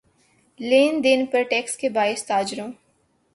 لین دین پر ٹیکس کے باعث تاجروں